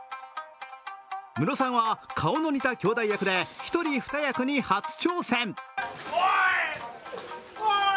ムロさんは、顔の似た兄弟役で１人２役に初挑戦。